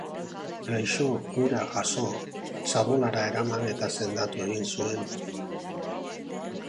Gaixo hura jaso, txabolara eraman eta sendatu egin zuen.